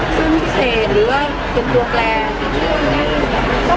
ซึ่งพิเศษหรือว่าเขียนตัวแกรง